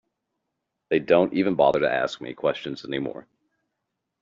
They don't even bother to ask me questions any more.